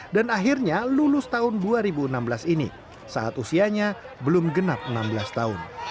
dan akhirnya lulus tahun dua ribu enam belas ini saat usianya belum genap enam belas tahun